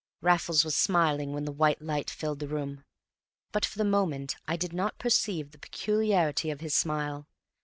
Raffles was smiling when the white light filled the room, but for the moment I did not perceive the peculiarity of his smile.